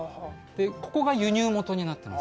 でここが輸入元になってます。